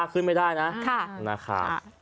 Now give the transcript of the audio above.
ขึ้นไม่ได้นะ